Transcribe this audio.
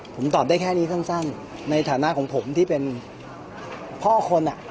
ผมตอบได้แค่นี้สั้นในฐานะของผมที่เป็นพ่อคนอ่ะ